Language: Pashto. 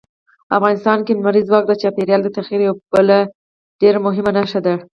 افغانستان کې لمریز ځواک د چاپېریال د تغیر یوه بله ډېره مهمه نښه ده.